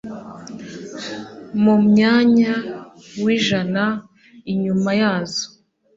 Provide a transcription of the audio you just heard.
mumyanya w'ijana inyuma yazo.